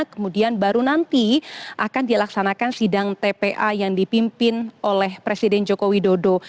kemudian baru nanti akan dilaksanakan sidang tpa yang dipimpin oleh presiden joko widodo